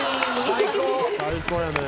「最高やね。